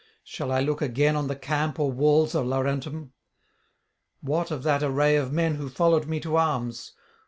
Shall I look again on the camp or walls of Laurentum? What of that array of men who followed me to arms?